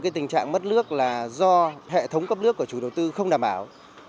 tình trạng mất nước là do hệ thống cấp nước của chủ đầu tư không đảm bảo